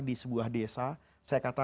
di sebuah desa saya kata